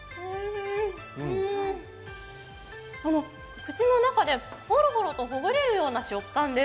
口の中でほろほろとほぐれるような食感です。